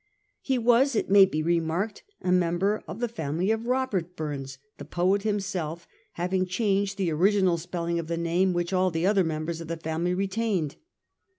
He was, it may be re marked, a member of the family of Robert Bums, the poet himself having changed the original spelling of the name which all the other members of the family retained.